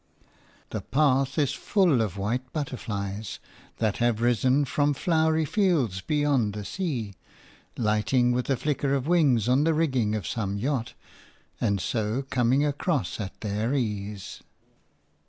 The path is full of white butterflies, that have risen from flowery fields beyond the sea, lighting with a flicker of wings on the rigging of some yacht, and so coming across at their ease.